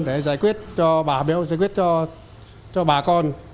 để giải quyết cho bà béo giải quyết cho bà con